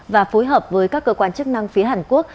và phối hợp với các cơ quan chức năng phía hàn quốc